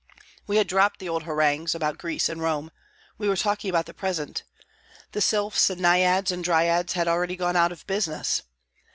We had dropped the old harangues about Greece and Rome. We were talking about the present. The sylphs and naiads and dryads had already gone out of business.